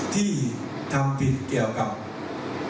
ที่ทำผิดเกี่ยวกับพระราชัยะว่าด้วยการก่าวประชาปติ